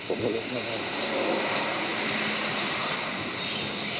คงเสียจริงมากนะครับ